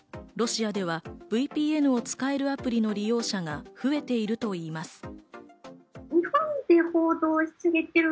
ロシアではＶＰＮを使えるアプリの利用者が増えているといいます。